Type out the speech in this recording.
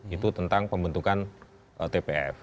itu tentang pembentukan tpf